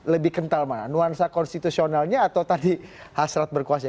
lebih kental mana nuansa konstitusionalnya atau tadi hasrat berkuasa